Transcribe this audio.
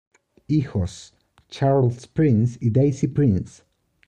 Hijos: Charles Prince y Daisy Prince.